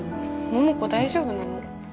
桃子大丈夫なの？